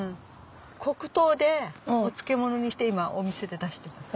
黒糖でお漬物にして今お店で出してます。